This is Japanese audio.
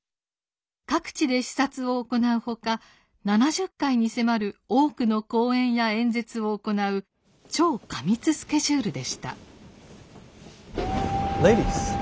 各地で視察を行うほか７０回に迫る多くの講演や演説を行う超過密スケジュールでした。